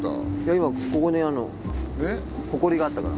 今ここにホコリがあったから。